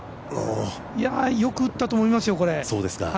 いや、よく打ったと思いますよ。